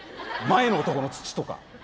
「前の男の土とか」